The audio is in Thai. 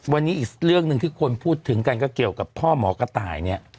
วันนี้อีกเรื่องหนึ่งที่คนพูดถึงกันก็เกี่ยวกับพ่อหมอกระต่ายเนี่ย